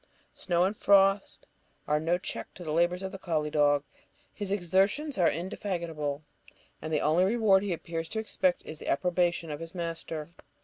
Snow and frost are no check to the labours of the colley dog. His exertions are indefatigable, and the only reward he appears to expect is the approbation of his master.